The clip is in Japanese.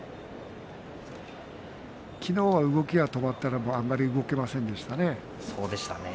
昨日は動きが止まってあまり動けませんでしたね。